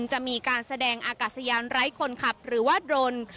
จะมีการแสดงอากาศยานไร้คนขับหรือว่าโดรน